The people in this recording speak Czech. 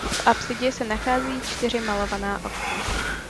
V apsidě se nacházejí čtyři malovaná okna.